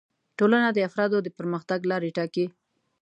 ټولنه د افرادو د پرمختګ لارې ټاکي